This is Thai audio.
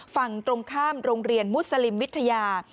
ฝั่งตรงข้ามโรงเรียนมุสลิมวิทยา